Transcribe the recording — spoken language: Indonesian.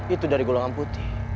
itu dari kulungan putih